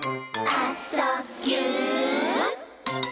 「あ・そ・ぎゅ」